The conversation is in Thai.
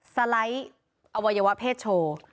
สไลด์อวัยวะเพศโชว์